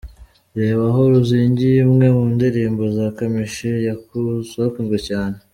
Reba 'Aho Ruzingiye', imwe mu ndirimbo za Kamichi zakunzwe cyane.